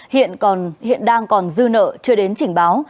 hiện đang còn dư nợ chưa đến chỉnh báo